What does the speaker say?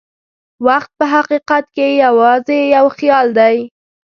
وخت په حقیقت کې یوازې یو خیال دی.